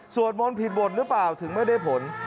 มนต์ผิดบทหรือเปล่าถึงไม่ได้ผล